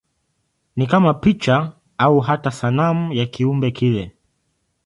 Ni kama picha au hata sanamu ya kiumbe kile.